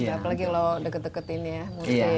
apalagi kalau deket deket ini ya